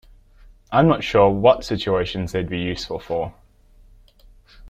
I'm not sure what situations they'd be useful for.